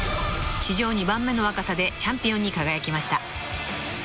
［史上２番目の若さでチャンピオンに輝きました］